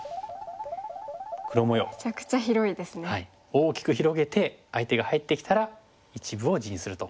大きく広げて相手が入ってきたら一部を地にすると。